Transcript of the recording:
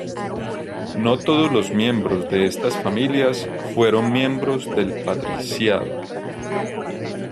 No todos los miembros de estas familias fueron miembros del patriciado.